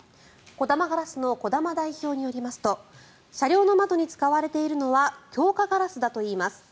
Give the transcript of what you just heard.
コダマガラスの児玉代表によりますと車両の窓に使われているのは強化ガラスだといいます。